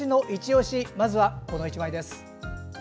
まずはこの１枚。